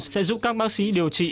sẽ giúp các bác sĩ điều trị